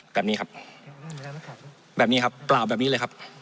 แบบนี้ครับแบบนี้ครับเปล่าแบบนี้เลยครับ